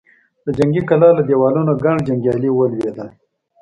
د جنګي کلا له دېوالونو ګڼ جنګيالي ولوېدل.